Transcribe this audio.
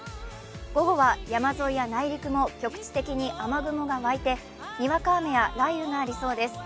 午後は山沿いや内陸も局地的に雨雲が湧いてにわか雨や雷雨がありそうです。